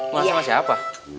mau sama siapa